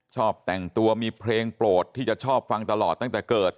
ชอบแต่งตัวมีเพลงโปรดที่จะชอบฟังตลอดตั้งแต่เกิด